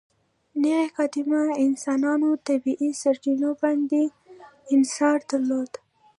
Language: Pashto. نېغ قامته انسانانو طبیعي سرچینو باندې انحصار درلود.